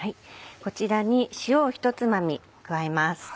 こちらに塩を一つまみ加えます。